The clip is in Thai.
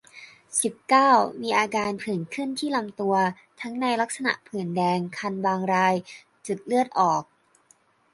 สิบเก้า มีอาการผื่นขึ้นที่ลำตัว ทั้งในลักษณะผื่นแดง คันบางราย จุดเลือดออก